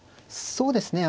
そうですね。